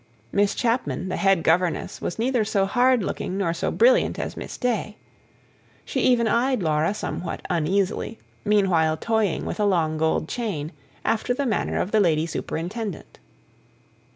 Miss Chapman, the head governess, was neither so hard looking nor so brilliant as Miss Day. She even eyed Laura somewhat uneasily, meanwhile toying with a long gold chain, after the manner of the Lady Superintendent.